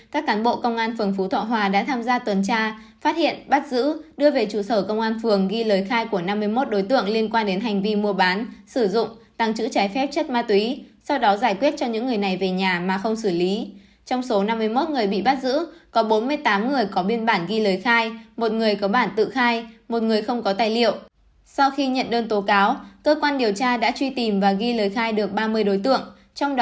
các cán bộ tại công an phường phú thọ hòa lập biên bản nhưng không làm hồ sơ vi phạm không đề xuất xử lý theo quy định của pháp luật có dấu hiệu tiêu cực nhằm mục đích không áp dụng biện phạm